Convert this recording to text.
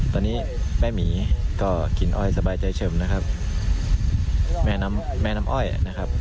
ตอนนี้แม่หมีก็กินอ้อยสบายใจเฉิมนะครับแม่น้ำแม่น้ำอ้อยนะครับ